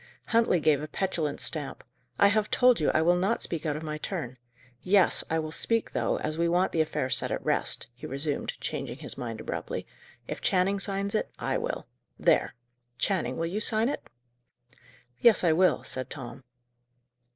Huntley gave a petulant stamp. "I have told you I will not speak out of my turn. Yes, I will speak, though, as we want the affair set at rest," he resumed, changing his mind abruptly. "If Channing signs it, I will. There! Channing, will you sign it?" "Yes, I will," said Tom.